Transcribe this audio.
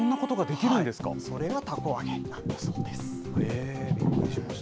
それがたこ揚げなんだそうでへー。